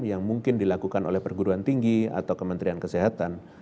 yang mungkin dilakukan oleh perguruan tinggi atau kementerian kesehatan